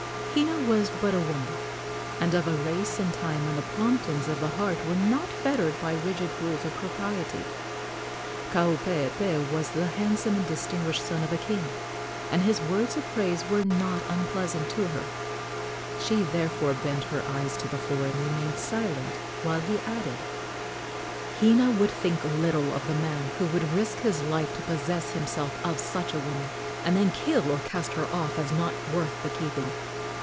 Hina was but a woman, and of a race and time when the promptings of the heart were not fettered by rigid rules of propriety. Kaupeepee was the handsome and distinguished son of a king, and his words of praise were not unpleasant to her. She therefore bent her eyes to the floor and remained silent while he added: "Hina would think little of the man who would risk his life to possess himself of such a woman, and then kill or cast her off as not worth the keeping.